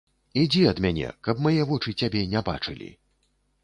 Ідзі ад мяне, каб мае вочы цябе не бачылі.